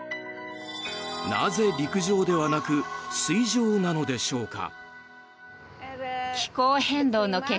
なぜ陸上ではなく水上なのでしょうか？